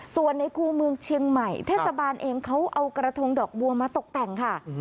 ส่วนในคู่เมืองเชียงใหม่เทศบาลเองเขาเอากระทงดอกบัวมาตกแต่งค่ะ